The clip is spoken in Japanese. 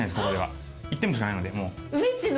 １店舗しかないので。